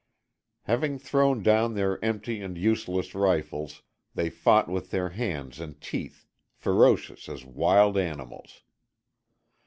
Having thrown down their empty and useless rifles they fought with their hands and teeth, ferocious as wild animals.